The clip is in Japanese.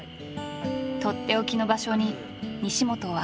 とっておきの場所に西本を案内する。